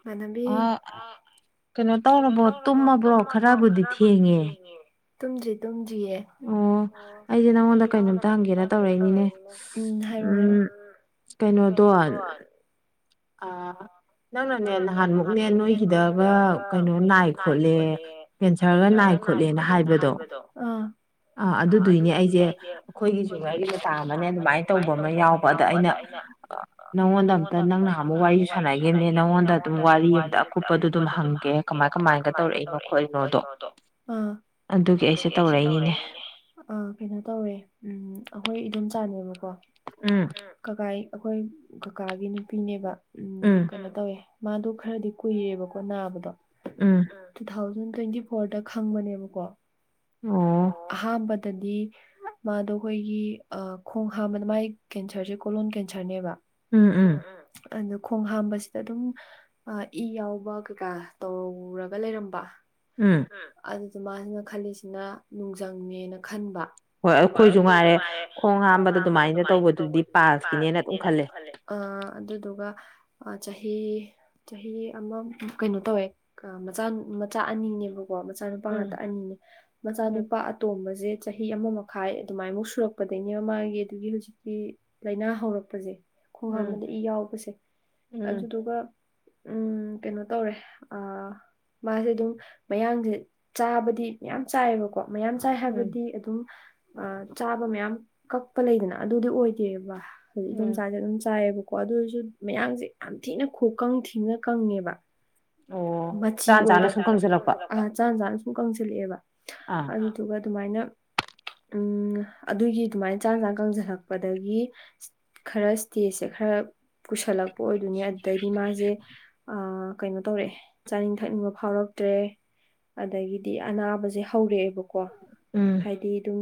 ꯏꯃꯥꯟꯅꯕꯤ ꯍꯥꯎ ꯀꯩꯅꯣ ꯇꯧꯔꯕꯣ ꯇꯨꯝꯃꯥꯕ꯭ꯔꯣ ꯈꯔꯕꯨꯗꯤ ꯊꯦꯡꯉꯦ ꯇꯨꯝꯗ꯭ꯔꯤ ꯇꯨꯝꯗ꯭ꯔꯤꯌꯦ ꯑꯣ ꯑꯩꯁꯦ ꯅꯪꯉꯣꯟꯗ ꯀꯩꯅꯣꯝꯇ ꯍꯪꯒꯦꯅ ꯇꯧꯔꯛꯏꯅꯤꯅꯦ ꯎꯝ ꯀꯩꯅꯣꯗꯣ ꯑ ꯅꯪꯅꯥꯅꯦ ꯅꯍꯥꯟꯃꯨꯛꯅꯦ ꯅꯣꯏꯒꯤꯗ ꯑꯃ ꯀꯩꯅꯣ ꯅꯥꯏ ꯈꯣꯠꯂꯦ ꯀꯦꯟꯁꯔꯒ ꯅꯥꯏ ꯈꯣꯠꯂꯦꯅꯥ ꯍꯥꯏꯕꯗꯣ ꯑꯥ ꯑꯥ ꯑꯗꯨꯗꯨꯏꯅꯦ ꯑꯩꯁꯦ ꯑꯩꯈꯣꯏꯒꯤꯁꯨ ꯃꯔꯤꯃꯥꯇ ꯑꯃꯅꯦ ꯑꯗꯨꯃꯥꯏꯅ ꯇꯧꯕ ꯑꯃ ꯌꯥꯎꯕ ꯑꯗꯥ ꯑꯩꯅ ꯅꯪꯉꯣꯟꯗ ꯑꯝꯇ ꯅꯪꯅꯍꯥꯟꯃꯨꯛ ꯋꯥꯔꯤꯁꯨ ꯁꯥꯟꯅꯒꯤꯝꯅꯦ ꯅꯪꯉꯣꯟꯗ ꯑꯗꯨꯝ ꯋꯥꯔꯤ ꯑꯝꯇ ꯀꯨꯞꯄꯥꯗꯣ ꯑꯗꯨꯝ ꯍꯪꯒꯦ ꯀꯃꯥꯏ ꯀꯃꯥꯏꯅꯒ ꯇꯧꯔꯛꯏꯅꯣ ꯈꯣꯠꯂꯤꯅꯣꯗꯣ ꯑꯗꯨꯒꯤ ꯑꯩꯁꯦ ꯇꯧꯔꯛꯏꯅꯤꯅꯦ ꯑ ꯀꯩꯅꯣ ꯇꯧꯋꯦ ꯎꯝ ꯑꯩꯈꯣꯏ ꯏꯟꯗꯣꯝꯆꯥꯅꯦꯕꯀꯣ ꯎꯝ ꯀꯀꯥꯏ ꯑꯩꯈꯣꯏ ꯀꯀꯥꯒꯤ ꯅꯨꯄꯤꯅꯦꯕ ꯎꯝ ꯎꯝ ꯀꯩꯅꯣ ꯇꯧꯋꯦ ꯃꯥꯗꯣ ꯈꯔꯗꯤ ꯀꯨꯏꯔꯦꯕꯀꯣ ꯅꯥꯕꯗꯣ ꯎꯝ ꯇꯨ ꯊꯥꯎꯖꯟ ꯇꯨ꯭ꯋꯦꯟꯇꯤ ꯐꯣꯔꯗ ꯈꯪꯕꯅꯦꯕꯀꯣ ꯑꯣ ꯑꯍꯥꯟꯕꯗꯗꯤ ꯃꯥꯗꯣ ꯑꯩꯈꯣꯏꯒꯤ ꯑꯥ ꯈꯣꯡ ꯍꯥꯝꯕꯗ ꯃꯥꯒꯤ ꯀꯦꯟꯁꯔꯁꯦ ꯀꯣꯂꯣꯟ ꯀꯦꯟꯁꯔꯅꯦꯕ ꯎꯝ ꯎꯝ ꯑꯗꯨ ꯈꯣꯡ ꯍꯥꯝꯕꯁꯤꯗ ꯑꯗꯨꯝ ꯑ ꯏ ꯌꯥꯎꯕ ꯀꯩꯀꯥ ꯇꯧꯔꯒ ꯂꯩꯔꯝꯕ ꯎꯝ ꯑꯗꯨꯗ ꯃꯥꯁꯤꯅ ꯈꯜꯂꯤꯁꯤꯅ ꯅꯨꯡꯖꯪꯅꯦꯅ ꯈꯟꯕ ꯍꯣꯏ ꯑꯩꯈꯣꯏꯁꯨ ꯉꯥꯏꯔꯦ ꯈꯣꯡ ꯍꯥꯝꯕꯗ ꯑꯗꯨꯃꯥꯏꯅ ꯇꯧꯕꯗꯨꯗꯤ ꯄꯥꯜꯁꯀꯤꯅꯦꯅ ꯑꯗꯨꯝ ꯈꯜꯂꯦ ꯑꯥ ꯑꯗꯨꯗꯨꯒ ꯑ ꯆꯍꯤ ꯆꯍꯤ ꯑꯃ ꯀꯩꯅꯣ ꯇꯧꯋꯦ ꯃꯆꯥ ꯃꯆꯥ ꯑꯅꯤꯅꯦꯕ ꯀꯣ ꯃꯆꯥꯅꯨꯄꯥ ꯉꯥꯛꯇ ꯑꯅꯤꯅꯦ ꯃꯆꯥꯅꯨꯄꯥ ꯇꯣꯝꯕꯖꯦ ꯆꯍꯤ ꯑꯃ ꯃꯈꯥꯏ ꯑꯗꯨꯃꯥꯏꯃꯨꯛ ꯁꯨꯔꯛꯄꯥꯗꯩꯅꯦꯕ ꯃꯥꯒꯤ ꯑꯗꯨꯒꯤ ꯍꯧꯖꯤꯛꯀꯤ ꯂꯥꯏꯅꯥ ꯍꯧꯔꯛꯄꯖꯦ ꯈꯣꯡ ꯍꯥꯝꯕꯗ ꯏ ꯌꯥꯎꯕꯁꯦ ꯑꯗꯨꯗꯨꯒ ꯎꯝ ꯀꯩꯅꯣ ꯇꯧꯔꯦ ꯑ ꯃꯥꯁꯦ ꯑꯗꯨꯝ ꯃꯌꯥꯡꯁꯦ ꯆꯥꯕꯗꯤ ꯃꯌꯥꯝ ꯆꯥꯏꯌꯦꯕꯀꯣ ꯃꯌꯥꯝ ꯆꯥꯏ ꯍꯥꯏꯕꯗꯤ ꯑꯗꯨꯝ ꯑ ꯆꯥꯕ ꯃꯌꯥꯝ ꯀꯛꯄ ꯂꯩꯗꯅ ꯑꯗꯨꯗꯤ ꯑꯣꯏꯗꯦꯕ ꯏꯗꯣꯝ ꯆꯥꯁꯦ ꯑꯗꯨꯝ ꯆꯥꯏꯌꯦꯕ ꯀꯣ ꯑꯗꯨꯏꯁꯨ ꯃꯌꯥꯝꯡꯁꯦ ꯌꯥꯝ ꯊꯤꯅ ꯈꯨꯀꯪ ꯊꯤꯅ ꯀꯪꯉꯦꯕ ꯃꯆꯤ ꯑꯣꯏꯗ ꯆꯥꯟ ꯆꯥꯅ ꯁꯨꯝ ꯀꯪꯁꯤꯜꯂꯛꯄ ꯑ ꯆꯥꯟꯅ ꯆꯥꯟꯅ ꯁꯨꯝ ꯀꯪꯁꯤꯜꯂꯛꯑꯦꯕ ꯑꯥ ꯑꯗꯨꯗꯨꯒ ꯑꯗꯨꯃꯥꯏꯅ ꯎꯝ ꯑꯗꯨꯒꯤ ꯑꯗꯨꯃꯥꯏꯅ ꯆꯥꯟ ꯆꯥꯟꯅ ꯀꯪꯁꯤꯜꯂꯛꯄꯗꯒꯤ ꯈꯔ ꯏꯁ꯭ꯇꯦꯖꯁꯦ ꯈꯔ ꯄꯨꯁꯜꯂꯛ ꯍꯣꯏ ꯑꯣꯏꯗꯨꯅꯦ ꯑꯗꯨꯗꯩꯗꯤ ꯃꯥꯁꯦ ꯀꯩꯅꯣ ꯇꯧꯔꯛꯑꯦ ꯆꯥꯅꯤꯡ ꯊꯛꯅꯤꯡꯕ ꯐꯥꯎꯔꯛꯇ꯭ꯔꯦ ꯑꯗꯒꯤꯗꯤ ꯑꯅꯥꯕꯁꯦ ꯍꯧꯔꯛꯑꯦꯕꯀꯣ ꯎꯝ ꯍꯥꯏꯗꯤ ꯑꯗꯨꯝ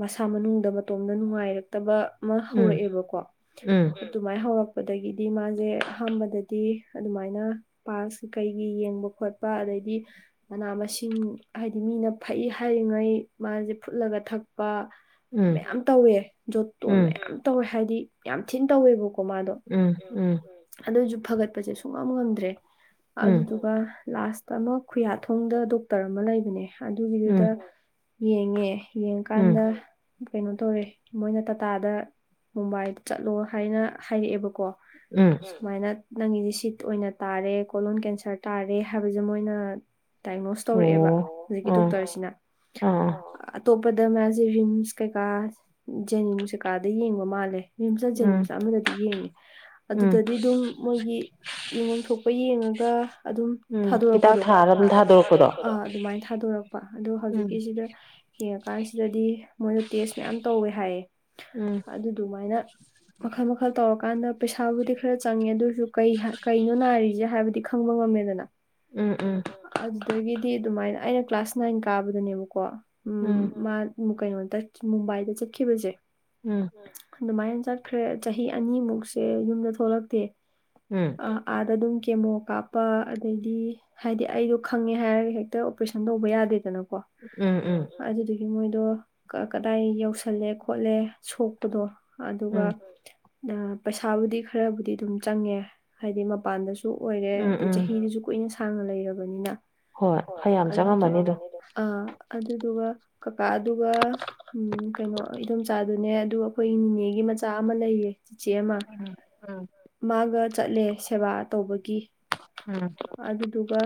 ꯃꯁꯥ ꯃꯅꯨꯡꯗ ꯃꯇꯣꯝꯗ ꯅꯨꯡꯉꯥꯏꯔꯛꯇꯕ ꯑꯃ ꯍꯧꯔꯛꯑꯦꯕꯀꯣ ꯑꯗꯨꯃꯥꯏꯅ ꯍꯧꯔꯛꯄꯗꯒꯤꯗꯤ ꯃꯥꯁꯦ ꯑꯍꯥꯟꯕꯗꯗꯤ ꯑꯗꯨꯃꯥꯏꯅ ꯄꯥꯜꯁ ꯀꯩ ꯀꯩꯒꯤ ꯌꯦꯡꯕ ꯈꯣꯠꯄ ꯑꯗꯩꯗꯤ ꯃꯅꯥ ꯃꯁꯤꯡ ꯍꯥꯏꯗꯤ ꯃꯤꯅ ꯐꯩ ꯍꯥꯏꯔꯤꯉꯩ ꯃꯥꯁꯦ ꯐꯨꯠꯂꯒ ꯊꯛꯄ ꯃꯌꯥꯝ ꯇꯧꯋꯦ ꯖꯣꯠꯇꯣꯟ ꯃꯌꯥꯝ ꯇꯧꯋꯦ ꯍꯥꯏꯗꯤ ꯌꯥꯝ ꯊꯤꯅ ꯇꯧꯋꯦꯕꯀꯣ ꯀꯣ ꯃꯥꯗꯣ ꯑꯗꯨꯁꯨ ꯐꯒꯠꯄꯁꯦ ꯁꯨꯡꯉꯝ ꯉꯝꯗ꯭ꯔꯦ ꯑꯗꯨꯗꯨꯒ ꯂꯥꯁꯇ ꯑꯃꯨꯛ ꯈꯨꯌꯥꯊꯣꯡꯗ ꯗꯣꯛꯇꯔ ꯑꯃ ꯂꯩꯕꯅꯦ ꯑꯗꯨꯒꯤꯗꯨꯗ ꯌꯦꯡꯉꯦ ꯌꯦꯡꯀꯥꯟꯗ ꯀꯩꯅꯣ ꯇꯧꯔꯦ ꯃꯣꯏꯅ ꯇꯥꯇꯥꯗ ꯃꯨꯝꯕꯥꯏꯗ ꯆꯠꯂꯣ ꯍꯥꯏꯅ ꯍꯥꯏꯔꯛꯑꯦꯕꯀꯣ ꯎꯝ ꯁꯨꯃꯥꯏꯅ ꯅꯪꯒꯤꯁꯦ ꯁꯤꯠ ꯑꯣꯏꯅ ꯇꯥꯔꯦ ꯀꯣꯂꯂꯣꯟ ꯀꯦꯟꯁꯔ ꯇꯥꯔꯦ ꯍꯥꯏꯕꯁꯦ ꯃꯣꯏꯅ ꯗꯥꯏꯒꯅꯣꯁ ꯇꯧꯔꯛꯑꯦꯕ ꯍꯧꯖꯤꯛꯀꯤ ꯗꯣꯛꯇꯔꯁꯤꯅ ꯑꯥ ꯑꯇꯣꯞꯄꯗ ꯃꯥꯁꯦ ꯔꯤꯝꯁ ꯀꯩꯀꯥ ꯖꯦꯅꯤꯝꯁ ꯀꯩꯀꯥꯗ ꯌꯦꯡꯕ ꯃꯥꯜꯂꯦ ꯌꯦꯝꯆꯠꯖ ꯅꯨꯆꯠ ꯑꯃꯗꯗꯤ ꯌꯦꯡꯉꯤ ꯑꯗꯨꯗꯗꯤ ꯑꯗꯨꯝ ꯃꯣꯏꯒꯤꯉ ꯄꯨ ꯊꯣꯛꯄ ꯌꯦꯡꯉꯒ ꯑꯗꯨꯝ ꯊꯥꯗꯣꯔꯛꯄꯗꯣ ꯑꯥ ꯑꯗꯨꯃꯥꯏꯅ ꯊꯥꯗꯣꯔꯛꯄ ꯑꯗꯣ ꯍꯧꯖꯤꯛꯀꯤꯁꯤꯗ ꯌꯦꯡꯉꯀꯥꯟꯁꯤꯗꯗꯤ ꯃꯣꯏꯗ ꯇꯦꯁ ꯃꯌꯥꯝ ꯇꯧꯋꯦ ꯍꯥꯏꯌꯦ ꯎꯝ ꯑꯗꯨꯗꯨꯃꯥꯏꯅ ꯃꯈꯜ ꯃꯈꯜ ꯇꯧꯔꯀꯥꯟꯗ ꯄꯩꯁꯥꯕꯨꯗꯤ ꯈꯔ ꯆꯪꯉꯦ ꯑꯗꯨ ꯑꯣꯏꯔꯁꯨ ꯀ ꯀꯩꯅꯣ ꯅꯥꯏꯔꯤꯁꯦ ꯍꯥꯏꯕꯗꯤ ꯈꯪꯕ ꯉꯝꯃꯦꯗꯅ ꯑꯗꯨꯗꯒꯤꯗꯤ ꯑꯗꯨꯃꯥꯏꯅ ꯑꯩꯅ ꯀ꯭ꯂꯥꯁ ꯅꯥꯏꯟ ꯀꯥꯕꯗꯅꯦꯕꯀꯣ ꯃꯥ ꯀꯩꯅꯣꯗ ꯃꯨꯝꯕꯥꯏꯗ ꯆꯠꯈꯤꯕꯁꯦ ꯎꯝ ꯑꯗꯨꯃꯥꯏꯅ ꯆꯠꯈ꯭ꯔꯦ ꯆꯍꯤ ꯑꯅꯤꯃꯨꯛꯁꯦ ꯌꯨꯝꯗ ꯊꯣꯛꯂꯛꯇꯦ ꯎꯝ ꯑꯥꯗ ꯑꯗꯨꯝ ꯀꯦꯃꯣ ꯀꯥꯞꯄ ꯑꯗꯩꯗꯤ ꯍꯥꯏꯗꯤ ꯑꯩꯗꯣ ꯈꯪꯉꯦ ꯍꯥꯏꯔꯒ ꯍꯦꯛꯇ ꯑꯣꯄꯔꯦꯁꯟ ꯇꯧꯕ ꯌꯥꯗꯦꯗꯅꯀꯣ ꯑꯗꯨꯗꯒꯤ ꯃꯣꯏꯗꯣ ꯀꯗꯥꯏ ꯌꯧꯁꯜꯂꯦ ꯈꯣꯠꯂꯦ ꯁꯣꯛ ꯈꯨꯗꯣ ꯑꯗꯨꯒ ꯄꯩꯁꯥꯕꯨꯗꯤ ꯈꯔꯕꯨꯗꯤ ꯑꯗꯨꯝ ꯆꯪꯉꯦ ꯍꯥꯏꯗꯤ ꯃꯄꯥꯟꯗꯁꯨ ꯑꯣꯏꯔꯦ ꯑꯗꯩ ꯆꯍꯤꯗꯁꯨ ꯀꯨꯏꯅ ꯁꯥꯡꯅ ꯂꯩꯔꯕꯅꯤꯅ ꯑ ꯑꯗꯨꯗꯨꯒ ꯀ ꯑꯗꯨꯒ ꯀꯩꯅꯣ ꯏꯗꯣꯝꯆꯥꯗꯨꯅꯦ ꯑꯗꯨ ꯑꯩꯈꯣꯏ ꯅꯦꯅꯦꯒꯤ ꯃꯆꯥ ꯑꯃ ꯂꯩꯌꯦ ꯆꯤꯆꯦ ꯑꯃ ꯃꯥꯒ ꯆꯠꯂꯦ ꯁꯦꯕꯥ ꯇꯧꯕꯒꯤ ꯎꯝ ꯑꯗꯨꯗꯨꯒ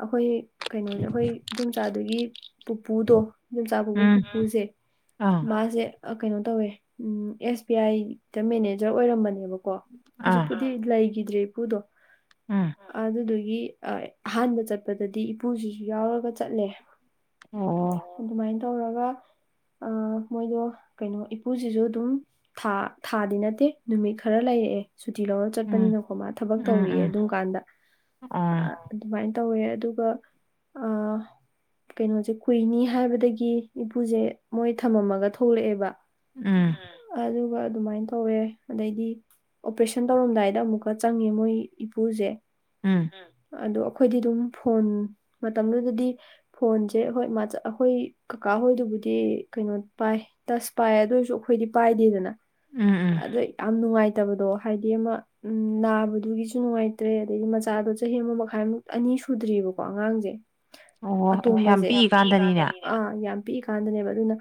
ꯑꯩꯈꯣꯏ ꯀꯩꯅꯣꯁꯦ ꯑꯩꯈꯣꯏ ꯌꯨꯝꯆꯥꯗꯨꯒꯤ ꯄꯨꯄꯨꯗꯣ ꯌꯣꯡꯆꯥꯛ ꯀꯧꯕ ꯄꯨꯄꯨꯁꯦ ꯃꯥꯁꯦ ꯀꯩꯅꯣ ꯇꯧꯋꯦ ꯑꯦꯁ ꯕꯤ ꯑꯥꯏꯗ ꯃꯦꯅꯦꯖꯔ ꯑꯣꯏꯔꯝꯕꯅꯦꯕꯀꯣ ꯍꯧꯖꯤꯛ ꯂꯩꯈꯤꯗ꯭ꯔꯦ ꯏꯄꯨꯗꯣ ꯎꯝ ꯑꯗꯨꯗꯨꯗꯒꯤ ꯑꯍꯥꯟꯕ ꯆꯠꯄꯗꯗꯤ ꯏꯄꯨꯁꯤꯁꯨ ꯌꯥꯎꯔꯒ ꯆꯠꯂꯦ꯫ ꯑꯗꯨꯃꯥꯏꯅ ꯇꯧꯔꯒ ꯃꯣꯏꯗꯣ ꯀꯩꯅꯣ ꯏꯄꯨꯁꯤꯁꯨ ꯑꯗꯨꯝ ꯊꯥ ꯊꯥꯗꯤ ꯅꯠꯇꯦ ꯅꯨꯃꯤꯠ ꯈꯔ ꯂꯩꯔꯛꯑꯦ꯫ ꯁꯨꯇꯤ ꯂꯧꯔ ꯆꯠꯄꯅꯤꯅꯀꯣ ꯃꯥ ꯊꯕꯛ ꯇꯧꯔꯤꯌꯦ ꯑꯗꯨꯝ ꯀꯥꯟꯗ ꯑꯗꯨꯃꯥꯏꯅ ꯇꯧꯋꯦ ꯑꯗꯨꯒ ꯀꯩꯅꯣꯁꯦ ꯀꯨꯏꯅꯤ ꯍꯥꯏꯕꯗꯒꯤ ꯏꯄꯨꯁꯦ ꯃꯣꯏ ꯊꯃꯝꯃꯒ ꯊꯣꯛꯂꯛꯑꯦꯕ ꯎꯝ ꯑꯗꯨꯒ ꯑꯗꯨꯃꯥꯏꯅ ꯇꯧꯋꯦ ꯑꯗꯩꯗꯤ ꯑꯣꯄꯔꯦꯁꯟ ꯇꯧꯔꯝꯗꯥꯏꯗ ꯑꯃꯨꯛꯀ ꯆꯪꯉꯦ ꯃꯣꯏ ꯏꯄꯨꯁꯦ꯫ ꯎꯝ ꯑꯗꯣ ꯑꯩꯈꯣꯏꯗꯤ ꯑꯗꯨꯝ ꯐꯣꯟ ꯃꯇꯝꯗꯨꯗꯗꯤ ꯐꯣꯟꯁꯦ ꯍꯣꯏ ꯃꯥ ꯑꯩꯈꯣꯏ ꯀꯀꯥ ꯍꯣꯏꯗꯨꯕꯨꯗꯤ ꯀꯩꯅꯣ ꯄꯥꯏ꫰꫰ ꯇꯁ ꯄꯥꯏ ꯑꯗꯨ ꯑꯣꯏꯔꯁꯨ ꯑꯩꯈꯣꯏꯗꯤ ꯄꯥꯏꯗꯦꯗꯅ ꯑꯗꯣ ꯌꯥꯝ ꯅꯨꯡꯉꯥꯏꯇꯕꯗꯣ ꯍꯥꯏꯗꯤ ꯑꯃ ꯎꯝ ꯅꯥꯕꯗꯨꯒꯤꯁꯨ ꯅꯨꯡꯉꯥꯏꯇ꯭ꯔꯦ ꯑꯗꯩꯗꯤ ꯃꯆꯥꯗꯣ ꯆꯍꯤ ꯑꯃ ꯃꯈꯥꯏꯃꯨꯛ ꯑꯅꯤ ꯁꯨꯗ꯭ꯔꯤꯑꯕꯀꯣ ꯑꯉꯥꯡꯁꯦ꯫ ꯑꯇꯣꯝꯕꯁꯦ ꯌꯥꯝ ꯄꯤꯏ ꯀꯥꯟꯗꯅꯦ ꯑꯥ ꯌꯥꯝ ꯄꯤꯛꯏꯀꯥꯟꯗꯅꯦꯕ ꯑꯗꯨꯅ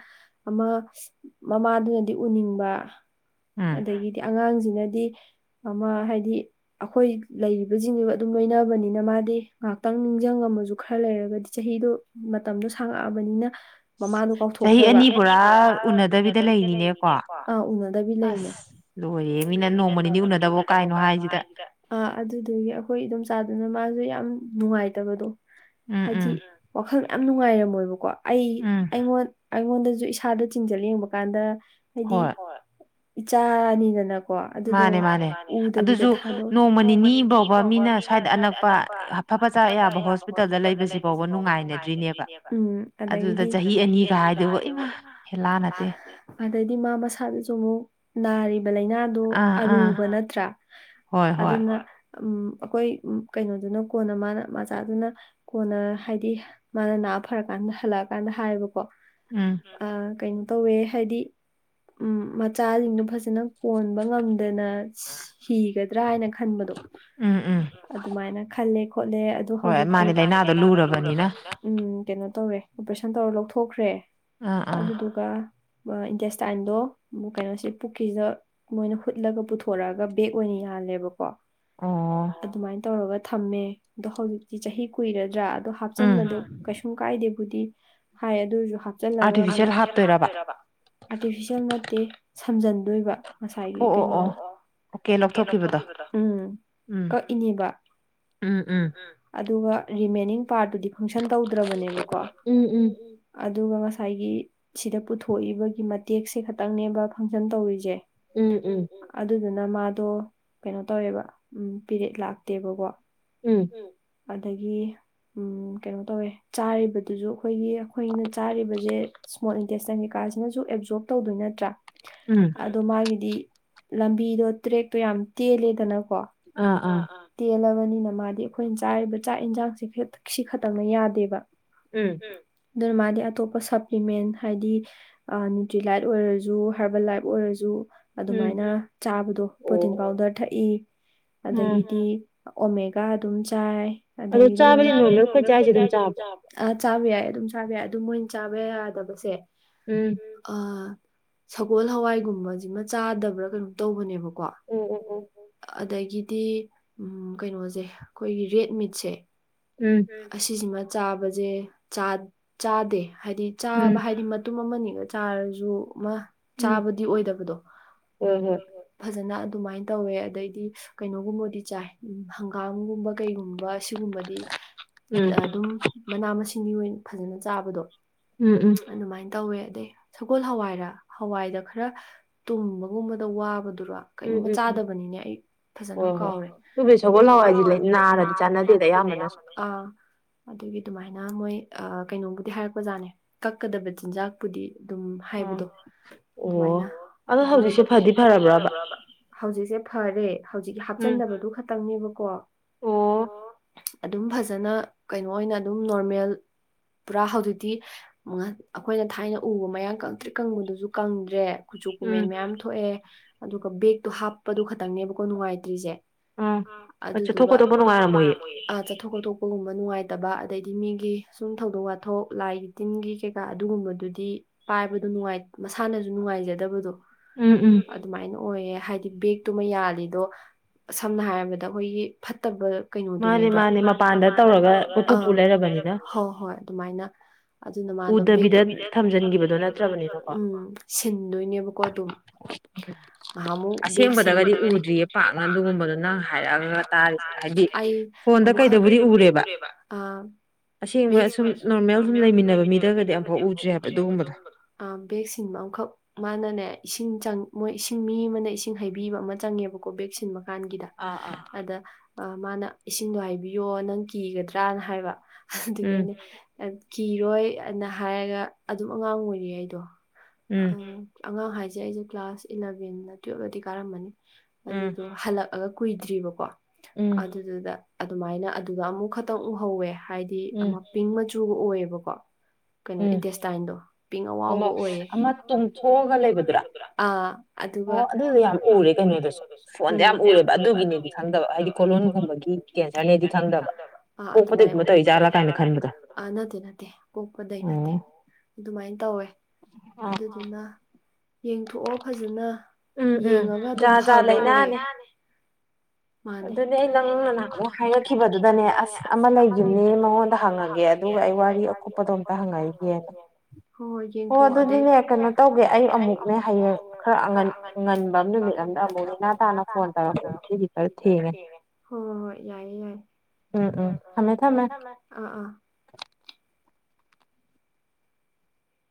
ꯑꯃ ꯃꯃꯥꯗꯨꯅꯗꯤ ꯎꯅꯤꯡꯕ ꯑꯗꯒꯤꯗꯤ ꯑꯉꯥꯡꯁꯤꯅꯗꯤ ꯑꯃ ꯍꯥꯏꯗꯤ ꯑꯩꯈꯣꯏ ꯂꯩꯔꯤꯕꯁꯤꯡꯁꯤꯕ ꯑꯗꯨꯝ ꯂꯣꯏꯅꯕꯅꯤꯅ ꯃꯥꯗꯤ ꯉꯥꯏꯍꯥꯛꯇꯪ ꯅꯤꯡꯁꯤꯡꯉꯝꯃꯁꯨ ꯈꯔ ꯂꯩꯔꯒꯗꯤ ꯆꯍꯤꯗꯣ ꯃꯇꯝꯗꯣ ꯁꯥꯡꯉꯛꯑꯕꯅꯤꯅ ꯃꯃꯥꯗꯣ ꯀꯥꯎꯊꯣꯛꯈ꯭ꯔꯕꯅꯦ ꯑꯅꯤ ꯄꯨ ꯎꯅꯗꯕꯤꯗ ꯂꯩꯅꯤꯅꯦꯣ ꯑ ꯎꯅꯗꯕꯤ ꯂꯩꯅꯦ꯫ ꯂꯣꯏꯔꯦ ꯃꯤꯅ ꯅꯣꯡꯃ ꯅꯤꯅꯤ ꯎꯅꯗꯕꯣ ꯀꯥꯏꯅꯣ ꯍꯥꯏꯁꯤꯗ ꯑꯥ ꯑꯗꯨꯗꯨꯗꯒꯤ ꯑꯩꯈꯣꯏ ꯏ ꯑꯗꯨꯣꯝ ꯆꯥꯗꯨꯅ ꯃꯥꯁꯨ ꯌꯥꯝ ꯅꯨꯡꯉꯥꯏꯇꯕꯗꯣ ꯍꯥꯏꯗꯤ ꯋꯥꯈꯜ ꯌꯥꯝ ꯅꯨꯡꯉꯥꯏꯔꯝꯃꯣꯏꯕꯀꯣ ꯑꯩ ꯑꯩꯉꯣꯟ ꯑꯩꯉꯣꯟꯗꯁꯨ ꯏꯁꯥꯗ ꯆꯤꯡꯖꯜ ꯌꯦꯡꯕ ꯀꯥꯟꯗ ꯍꯥꯏꯗꯤ ꯏꯆꯥꯅꯤꯗꯅ ꯀ ꯑꯗꯨꯗꯣ ꯃꯥꯅꯦ ꯃꯥꯅꯤ꯫ ꯅꯣꯡꯃꯅꯤ ꯐꯥꯎꯕ ꯃꯤꯅ ꯁ꯭ꯋꯥꯗ ꯑꯅꯛꯄ ꯑꯐꯕꯖꯥ ꯌꯥꯕ ꯍꯣꯁꯄꯤꯇꯥꯜꯗ ꯂꯩ꯫ ꯁꯤ ꯐꯥꯎꯕ ꯅꯨꯡꯉꯥꯏꯅꯗ꯭ꯔꯤꯅꯦꯕꯗꯒꯤꯗꯤ ꯆꯍꯤ ꯑꯅꯤꯒ ꯍꯥꯏꯗꯨ ꯑꯗꯩꯗꯤ ꯃꯥ ꯃꯁꯥꯗꯁꯨ ꯑꯃꯨꯛ ꯅꯥꯔꯤꯕ ꯂꯥꯏꯅꯥꯗꯨꯣ ꯑꯔꯨꯕ ꯅꯠꯇ꯭ꯔꯥ ꯑꯗꯨꯅ ꯎꯝ ꯑꯩꯈꯣꯏ ꯀꯩꯅꯣꯗꯨꯅ ꯀꯣꯟꯅ ꯃꯥꯅ ꯃꯆꯥꯗꯨꯅ ꯀꯣꯟꯅ ꯍꯥꯏꯗꯤ ꯃꯥꯅ ꯅꯥ ꯐꯔꯀꯥꯟꯗ ꯍꯜꯂꯛꯑꯀꯥꯟꯗ ꯍꯥꯏꯌꯦꯕꯀꯣ ꯎꯝ ꯀꯩꯅꯣ ꯇꯧꯋꯦ ꯍꯥꯏꯗꯤ ꯎ ꯃꯆꯥꯁꯤꯡꯗꯨꯣ ꯐꯖꯅ ꯍꯣꯟꯕ ꯉꯝꯗꯅ ꯁꯤꯒꯗ꯭ꯔꯥ ꯍꯥꯏꯅ ꯈꯟꯕꯗꯣ ꯑꯗꯨꯃꯥꯏꯅ ꯈꯜꯂꯦ ꯈꯣꯠꯂꯦ ꯑꯗꯨ ꯍꯧꯖꯤꯛꯇꯤꯔꯕꯅꯤꯅ ꯎꯝ ꯀꯩꯅꯣ ꯇꯧꯔꯦ ꯑꯣꯄꯔꯦꯁꯟ ꯇꯧꯔ ꯂꯧꯊꯣꯛꯈ꯭ꯔꯦ ꯑꯗꯨꯗꯣ ꯑꯗꯨꯒ ꯏꯟꯗꯦꯁꯇꯥꯏꯟꯗꯣ ꯀꯩꯅꯣꯁꯦ ꯄꯨꯛꯀꯤꯗ ꯃꯣꯏꯅ ꯍꯨꯠꯂꯒ ꯄꯨꯊꯣꯔꯛꯑꯒ ꯕꯦꯛ ꯑꯣꯏꯅ ꯌꯥꯜꯂꯦꯕꯀꯣ ꯑꯗꯨꯃꯥꯏꯅ ꯇꯧꯔꯒ ꯊꯝꯃꯦ꯫ ꯑꯗꯣ ꯍꯧꯖꯤꯛꯇꯤ ꯆꯍꯤ ꯀꯨꯏꯔꯗ꯭ꯔꯥ ꯑꯗꯣ ꯍꯥꯞꯆꯤꯟꯕꯗꯣ ꯀꯩꯁꯨꯝ ꯀꯥꯏꯗꯦꯕꯨꯗꯤ ꯍꯥꯏ ꯑꯗꯨꯁꯨ ꯍꯥꯞꯆꯜꯂꯒ ꯃꯅꯤꯁꯔ ꯍꯥꯞꯇꯣꯏꯔꯕ ꯑꯥꯔꯇꯤꯐꯤꯁꯦꯜ ꯅꯠꯇꯦ ꯁꯝꯖꯟꯗꯣꯏꯕ ꯉꯁꯥꯏꯒꯤ ꯀꯩꯅꯣꯗꯣ ꯀꯊꯈꯤꯕꯗꯣ ꯎꯝ ꯀꯛꯏꯅꯦꯕ ꯎꯝ ꯎꯝ ꯑꯗꯨꯒ ꯔꯤꯃꯦꯅꯤꯡ ꯄꯥꯔꯠꯇꯨꯗꯤ ꯐꯪꯁꯟ ꯇꯧꯗ꯭ꯔꯕꯅꯦꯕꯀꯣ ꯎ ꯎꯝ ꯑꯗꯨꯒ ꯉꯁꯥꯏꯒꯤ ꯁꯤꯗ ꯄꯨꯊꯣꯛꯏꯕꯒꯤ ꯃꯇꯦꯛꯁꯦ ꯈꯇꯪꯅꯦꯕ ꯐꯪꯁꯟ ꯇꯧꯔꯤꯁꯦ꯫ ꯑꯗꯨꯗꯨꯅ ꯃꯥꯗꯣ ꯀꯩꯅꯣ ꯇꯧꯋꯦꯕ ꯎꯝ ꯄꯦꯔꯦꯠ ꯂꯥꯛꯇꯦꯕꯀꯣ꯫ ꯎꯝ ꯑꯗꯒꯤ ꯎꯝ ꯀꯩꯅꯣ ꯇꯧꯋꯦ ꯆꯥꯔꯤꯕꯗꯨꯖꯨ ꯑꯩꯈꯣꯏꯒꯤ ꯑꯩꯈꯣꯏꯅ ꯆꯥꯔꯤꯕꯖꯦ ꯏꯁꯃꯣꯜ ꯏꯟꯇꯦꯁꯁꯥꯏꯟ ꯀꯩꯀꯥꯁꯤꯅꯁꯨ ꯑꯦꯞꯖꯣꯔ꯭ꯞ ꯇꯧꯗꯣꯏ ꯅꯠꯇ꯭ꯔꯥ ꯎꯝ ꯑꯗꯣ ꯃꯥꯒꯤꯗꯤ ꯂꯝꯕꯤꯗꯣ ꯇ꯭ꯔꯦꯛꯇꯣ ꯌꯥꯝ ꯇꯦꯜꯂꯦꯗꯅꯀꯣ ꯑꯥ ꯑꯥ ꯇꯦꯜꯂꯕꯅꯤꯅ ꯃꯥꯗꯤ ꯑꯩꯈꯣꯏꯅ ꯆꯥꯔꯤꯕ ꯆꯥꯛ ꯑꯦꯟꯖꯥꯡꯁꯦ ꯐꯦꯠ ꯁꯤ ꯈꯠꯇꯪꯅ ꯌꯥꯗꯦꯕ ꯎꯝ ꯑꯗꯨꯅ ꯃꯥꯗꯤ ꯑꯇꯣꯞꯄ ꯁꯞꯄ꯭ꯂꯤꯃꯦꯟ ꯍꯥꯏꯗꯤ ꯑꯥ ꯅ꯭ꯌꯨꯇ꯭ꯔꯤꯂꯥꯏꯠ ꯑꯣꯏꯔꯖꯨ ꯍꯥꯔꯕꯦꯜ ꯂꯥꯏꯞ ꯑꯣꯏꯔꯖꯨ ꯑꯗꯨꯃꯥꯏꯅ ꯆꯥꯕꯗꯣ ꯄꯥꯎꯗ꯭ꯔ ꯊꯛꯏ ꯑꯗꯒꯤꯗꯤ ꯑꯣꯃꯦꯒꯥ ꯑꯗꯨꯝ ꯆꯥꯏ ꯑꯗꯩꯗꯤ ꯃꯣꯏ ꯆꯥꯕꯗꯤ ꯅꯣꯔꯃꯦꯜ ꯈꯣꯏ ꯆꯥꯏꯖꯦ ꯑꯗꯨꯝ ꯆꯥ ꯑ ꯆꯥꯕ ꯌꯥꯏ ꯑꯗꯨꯝ ꯆꯥꯕ ꯌꯥꯏ ꯑꯗꯨ ꯃꯣꯏꯅ ꯆꯥꯕ ꯌꯥꯗꯕꯁꯦ ꯎꯝ ꯑ ꯁꯒꯣꯜ ꯍꯋꯥꯏꯒꯨꯝꯕꯖꯤꯃ ꯆꯥꯗꯕ꯭ꯔꯥ ꯀꯩꯅꯣꯝ ꯇꯧꯕꯅꯦꯕꯀꯣ ꯑꯣ ꯑꯣ ꯑꯣ ꯑꯗꯒꯤꯗꯤ ꯎꯝ ꯀꯩꯅꯣꯖꯦ ꯑꯩꯈꯣꯏꯒꯤ ꯔꯦꯠ ꯃꯤꯠꯁꯦ ꯎꯝ ꯑꯁꯤꯖꯤꯃ ꯆꯥꯕꯖꯦ ꯆꯥꯠ ꯆꯥꯗꯦ ꯍꯥꯏꯗꯤ ꯆꯥꯕ ꯍꯥꯏꯗꯤ ꯃꯇꯨꯝ ꯑꯃꯅꯤꯒ ꯆꯥꯔꯖꯨ ꯑꯃ ꯆꯥꯕꯗꯤ ꯑꯣꯏꯗꯕꯗꯣ ꯍꯣꯏ ꯍꯣꯏ ꯐꯖꯅ ꯑꯗꯨꯃꯥꯏ ꯇꯧꯋꯦ ꯑꯗꯩꯗꯤ ꯀꯩꯅꯣꯒꯨꯝꯕꯣꯗꯤ ꯆꯥꯏ ꯎꯝ ꯍꯪꯒꯥꯝꯒꯨꯝꯕ ꯀꯩꯒꯨꯝꯕ ꯁꯤꯒꯨꯝꯕꯗꯤ ꯑꯗꯨꯝ ꯃꯅꯥ ꯃꯁꯤꯡꯒꯤ ꯑꯣꯏꯅ ꯐꯖꯅ ꯆꯥꯕꯗꯣ ꯎꯝ ꯎꯝ ꯑꯗꯨꯃꯥꯏ ꯇꯧꯋꯦ ꯑꯗꯩ ꯁꯒꯣꯜ ꯍꯋꯥꯏꯔꯥ ꯍꯋꯥꯏꯗ ꯈꯔ ꯇꯨꯝꯕꯒꯨꯝꯕꯗ ꯋꯥꯕꯗꯨꯔꯥ ꯀꯩꯅꯣꯝꯃ ꯆꯥꯗꯕꯅꯤꯅꯦ ꯑꯩ ꯍꯣꯢ ꯍꯣꯏ ꯑꯗꯨꯕꯨꯗꯤ ꯁꯒꯣꯜ ꯍꯋꯥꯏꯗꯤ ꯂꯩ ꯅꯥꯔꯗꯤ ꯆꯥꯟꯅꯗꯦꯗ ꯑꯌꯥꯝꯕꯅꯁꯨ ꯑꯥ ꯑꯗꯨꯒꯤ ꯗꯨꯃꯥꯏꯅ ꯃꯣꯏ ꯑ ꯀꯩꯅꯣꯝꯕꯨꯗꯤ ꯍꯥꯏꯔꯛꯄꯖꯥꯠꯅꯦ ꯀꯛꯀꯗꯕ ꯆꯤꯟꯖꯥꯛ ꯄꯨꯗꯤ ꯗꯨꯝ ꯍꯥꯏꯕꯗꯣ ꯑꯗꯨꯃꯥꯏꯅ ꯑꯗꯨ ꯑꯗꯣ ꯍꯧꯖꯤꯛꯁꯦ ꯐꯗꯤ ꯐꯔꯕ꯭ꯔꯕ ꯍꯧꯖꯤꯛꯁꯦ ꯐꯔꯦ ꯍꯧꯖꯤꯛ ꯍꯥꯞꯆꯟꯗꯕꯗꯨ ꯈꯛꯇꯪꯅꯦꯕꯀꯣ ꯑꯣ ꯗꯨꯝ ꯐꯖꯅ ꯀꯩꯅꯣ ꯑꯣꯏꯅ ꯑꯗꯨꯝ ꯅꯣꯔꯃꯦꯜ ꯄꯨꯔꯥ ꯍꯧꯖꯤꯛꯇꯤ ꯃꯉꯥꯟ ꯑꯩꯈꯣꯏꯅ ꯊꯥꯏꯅ ꯎꯕ ꯃꯌꯥꯡ ꯀꯪꯇ꯭ꯔꯤꯛ ꯀꯪꯕꯗꯨꯖꯨ ꯀꯪꯗ꯭ꯔꯦ ꯀꯨꯆꯨ ꯀꯨꯃꯦꯟ ꯃꯌꯥꯝ ꯊꯣꯛꯑꯦ ꯑꯗꯨꯒ ꯕꯦꯛꯇꯣ ꯍꯥꯞꯄꯗꯨ ꯈꯛꯇꯪꯅꯦꯕꯀꯣ ꯅꯨꯡꯉꯥꯏꯇ꯭ꯔꯤꯖꯦ ꯑꯣ ꯆꯠꯊꯣꯛ ꯈꯣꯠꯇꯣꯛꯄ ꯅꯨꯡꯉꯥꯏꯔꯝꯃꯣꯏꯌꯦ ꯑ ꯆꯠꯊꯣꯛ ꯈꯣꯊꯣꯛꯄꯒꯨꯝꯕ ꯅꯨꯡꯉꯥꯏꯇꯕ ꯑꯗꯩꯗꯤ ꯃꯤꯒꯤ ꯁꯨꯝ ꯊꯧꯗꯣꯛ ꯋꯥꯊꯣꯛ ꯂꯥꯏ ꯇꯤꯟꯒꯤ ꯀꯩꯀꯥ ꯑꯗꯨꯒꯨꯝꯕꯗꯨꯗꯤ ꯄꯥꯏꯕꯗꯣ ꯅꯨꯡꯉꯥꯏ ꯃꯁꯥꯅꯖꯨ ꯅꯨꯡꯉꯥꯏꯖꯗꯕꯗꯣ ꯎꯝ ꯑꯠ ꯑꯗꯨꯃꯥꯏꯅ ꯑꯣꯏꯌꯦ ꯍꯥꯏꯗꯤ ꯕꯦꯛꯇꯨꯃ ꯌꯥꯜꯂꯤꯗꯣ ꯁꯝꯅ ꯍꯥꯏꯔꯕꯗ ꯍꯣꯏꯒꯤ ꯐꯠꯇꯕ ꯀꯩꯅꯣꯗꯨꯅꯦꯕ ꯃꯥꯅꯦ ꯃꯥꯅꯦ ꯃꯄꯥꯟꯗ ꯇꯧꯔꯒ ꯑ ꯍꯣꯏ ꯍꯣꯏ ꯑꯗꯨꯃꯥꯏꯅ ꯑꯗꯨꯅ ꯃꯥꯗꯣ ꯕꯦꯠꯇꯣ ꯎꯗꯕꯤꯗ ꯊꯝꯖꯟꯒꯤꯕꯗꯣꯔ ꯅꯠꯇ꯭ꯔꯕꯗꯤꯀꯣ ꯁꯤꯟꯗꯣꯏꯅꯦꯕꯀꯣ ꯑꯗꯨꯝ [inaudible] ꯉꯍꯥꯃꯨꯛ ꯕꯦꯛ ꯁꯤꯟ ꯑꯁꯦꯡꯗꯒꯗꯤ ꯎꯗ꯭ꯔꯤꯌꯦ ꯄꯥꯛꯅ ꯑꯗꯨꯒꯨꯝꯕꯗꯨ ꯅꯪ ꯍꯥꯏꯔꯛꯑꯒ ꯇꯥꯔꯤꯁꯦ ꯑꯩ ꯑꯃꯨꯛꯈꯛ ꯐꯣꯟꯗ ꯀꯩꯗꯕꯨꯗꯤ ꯎꯔꯦꯕ ꯑꯥ ꯑꯁꯦꯡꯕ ꯁꯨꯝ ꯅꯣꯔꯃꯦꯜ ꯁꯨꯝ ꯂꯩꯃꯤꯟꯅꯕ ꯃꯤꯗꯒꯗꯤ ꯑꯝꯐꯥꯎ ꯎꯗ꯭ꯔꯤ ꯍꯥꯏꯕ ꯑꯗꯨꯒꯨꯝꯕꯗꯣ ꯑ ꯕꯦꯛ ꯁꯤꯟꯕ ꯑꯝꯈꯛ ꯃꯥꯅꯅꯦ ꯏꯁꯤꯡ ꯆꯪ ꯃꯣꯏ ꯏꯁꯤꯡ ꯃꯤ ꯑꯃꯅ ꯏꯁꯤꯡ ꯍꯩꯕꯤꯕ ꯑꯃ ꯆꯪꯉꯦꯕꯀꯣ ꯚꯦꯛꯁꯤꯟꯕ ꯀꯥꯟꯒꯤꯗ ꯑꯗ ꯑ ꯃꯥꯅ ꯏꯁꯤꯡꯗꯣ ꯍꯥꯏꯕꯤꯌꯣ ꯅꯪ ꯀꯤꯒꯗ꯭ꯔꯅ ꯍꯥꯏꯕ ꯑꯗꯨꯒꯤ ꯑꯩꯅ ꯑꯟ ꯀꯤꯔꯣꯏ ꯑꯅ ꯍꯥꯏꯔꯒ ꯑꯗꯨꯝ ꯑꯉꯥꯡ ꯑꯣꯏꯔꯤꯌꯦ ꯑꯩꯗꯣ ꯑ ꯑꯉꯥꯡ ꯍꯥꯏꯖꯦ ꯑꯩꯖꯦ ꯀ꯭ꯂꯥꯁ ꯏꯂꯚꯦꯟꯂ ꯇꯨꯌꯦꯜꯞ ꯂꯗꯤ ꯀꯥꯔꯝꯃꯅꯤ ꯑꯗꯨꯗꯣ ꯍꯜꯂꯛꯑꯒ ꯀꯨꯏꯗ꯭ꯔꯤꯕꯀꯣ ꯑꯗꯨꯗꯨꯗ ꯑꯗꯨꯃꯥꯏꯅ ꯑꯗꯨꯒ ꯑꯃꯨꯛ ꯈꯛꯇꯪ ꯎꯍꯧꯋꯦ ꯍꯥꯏꯗꯤ ꯑꯃ ꯄꯤꯡ ꯃꯆꯨꯒ ꯑꯣꯏꯌꯦꯕꯀꯣ ꯀꯩꯅꯣ ꯏꯟꯇꯦꯁꯇꯥꯏꯟꯗꯣ ꯄꯤꯡ ꯑꯋꯥꯥꯎꯕ ꯑꯣꯏꯌꯦ ꯑꯃ ꯇꯣꯡꯊꯣꯛ ꯑꯒ ꯂꯩꯕꯗꯨꯔ ꯑꯥ ꯑꯗꯨꯒ ꯑꯗꯨꯁꯨ ꯌꯥꯝ ꯎꯔꯦ ꯀꯩꯅꯣꯗꯨꯁꯨ ꯐꯣꯟꯗ ꯌꯥꯝ ꯎꯔꯦꯕ ꯑꯗꯨꯒꯤꯅꯦꯗꯤ ꯈꯪꯗꯕ ꯍꯥꯏꯗꯤ ꯀꯣꯂꯣꯟꯒꯨꯝꯕꯒꯤ [unintelligible] ꯀꯥꯏꯅ ꯈꯟꯕꯗꯣ ꯑꯥ ꯅꯠꯇꯦ ꯅꯠꯇꯦ ꯄꯣꯛꯄꯗꯩ ꯅꯠꯇꯦ ꯗꯨꯃꯥꯏꯟ ꯇꯧꯋꯦ ꯑꯗꯨꯗꯨꯅ ꯌꯦꯡꯊꯣꯛꯑꯣ ꯐꯖꯅ ꯌꯦꯡꯉꯒ ꯑꯗꯨꯝ ꯐꯕ ꯑꯣꯏꯌꯦ ꯑꯗꯨꯅꯦ ꯑꯩ ꯅꯪꯅ ꯅꯍꯥꯃꯨꯛ ꯍꯥꯢꯔꯛꯈꯤꯕꯗꯨꯗꯅꯦ ꯑꯁ ꯑꯃ ꯂꯩꯒꯤꯝꯅꯦ ꯃꯉꯣꯟꯗ ꯍꯪꯉꯒꯦ ꯗꯨꯒ ꯑꯩ ꯋꯥꯔꯤ ꯑꯀꯨꯞꯄꯗꯣ ꯑꯝꯇ ꯍꯪꯉꯛꯏꯒꯦꯅ ꯍꯣꯏ ꯍꯣꯏ ꯌꯦꯡꯊꯣꯛꯑꯣ ꯑꯗꯨꯅꯦ [unintelligible] ꯀꯩꯅꯣ ꯇꯧꯒꯦ ꯑꯩ ꯑꯃꯨꯛꯅꯦ ꯍꯌꯦꯡ ꯈꯔ ꯉꯟꯕ ꯑꯝ ꯅꯨꯃꯤꯠ ꯑꯝꯗ ꯑꯃꯨꯛ ꯅꯦꯅꯥ ꯇꯥꯅ ꯐꯣꯟ ꯇꯧꯔꯛꯀꯦ ꯁꯤꯗꯤ ꯈꯔ ꯊꯦꯡꯉꯦ ꯍꯣ ꯍꯣꯏ ꯌꯥꯏꯌꯦ ꯌꯥꯏꯌꯦ ꯑꯥ ꯑꯥ ꯊꯝꯃꯦ ꯊꯝꯃꯦ ꯑꯥ ꯑꯥ